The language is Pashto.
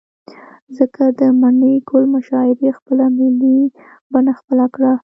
ځكه د مڼې گل مشاعرې خپله ملي بڼه خپله كړه.